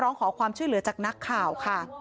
ร้องขอความช่วยเหลือจากนักข่าวค่ะ